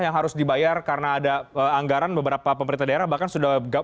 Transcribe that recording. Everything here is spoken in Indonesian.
yang harus dibayar karena ada anggaran beberapa pemerintah daerah bahkan sudah belak belakan juga